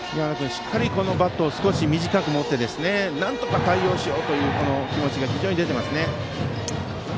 しっかりバットを短く持ってなんとか対応しようという気持ちが出ていますね。